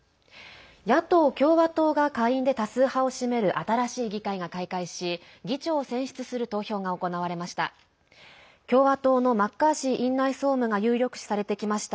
野党・共和党が下院で多数派を占める新しい議会が開会し議長を選出する投票が行われました。